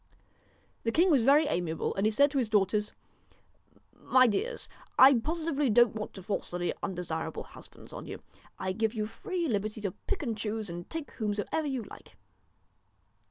The king was very amiable, and he said to his daughters: 'My dears, I positively don't want to force any undesirable husbands on you. I give you free liberty to pick and choose and take whomso ever you like.'